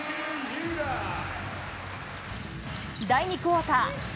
第２クオーター。